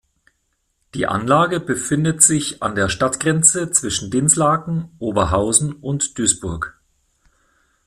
Die Anlage befindet sich an der Stadtgrenze zwischen Dinslaken, Oberhausen und Duisburg.